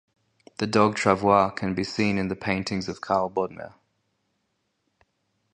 The dog travois can be seen in the paintings of Karl Bodmer.